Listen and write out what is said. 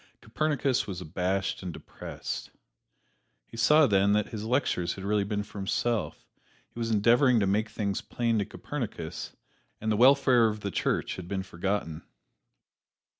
Copernicus was abashed and depressed. He saw then that his lectures had really been for himself he was endeavoring to make things plain to Copernicus, and the welfare of the Church had been forgotten.